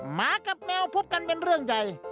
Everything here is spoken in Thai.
หมากับแมวพบกันเป็นเรื่องใหญ่